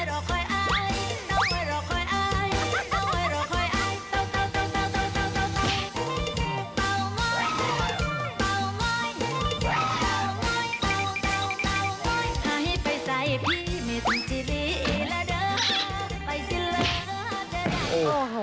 โอ้โฮ